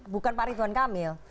bukan pak ridwan kamil